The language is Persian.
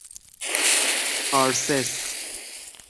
آرسِس